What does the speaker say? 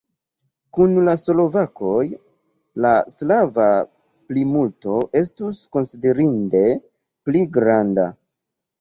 Kun la slovakoj la slava plimulto estus konsiderinde pli granda.